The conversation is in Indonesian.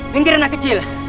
minggir anak kecil